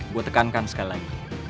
gue tekankan sekali lagi